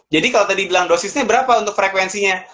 jadi kalau tadi bilang dosisnya berapa untuk frekuensinya